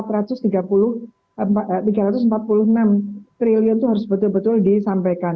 rp tiga ratus empat puluh enam triliun itu harus betul betul disampaikan